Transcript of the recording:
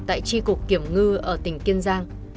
tại tri cục kiểm ngư ở tỉnh kiên giang